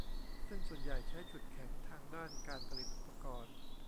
ซึ่งส่วนใหญ่ใช้จุดแข็งทางด้านการผลิตอุปกรณ์